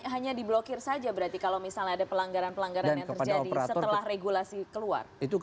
hanya diblokir saja berarti kalau misalnya ada pelanggaran pelanggaran yang terjadi setelah regulasi keluar